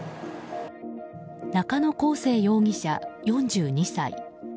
中野耕生容疑者、４２歳。